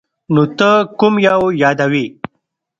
نو ته کوم یو یادوې ؟